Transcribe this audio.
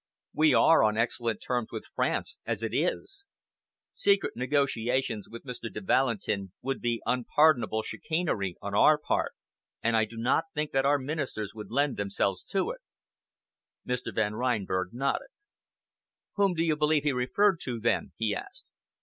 We are on excellent terms with France as it is. Secret negotiations with Mr. de Valentin would be unpardonable chicanery on our part, and I do not think that our ministers would lend themselves to it." Mr. Van Reinberg nodded. "Whom do you believe he referred to then?" he asked.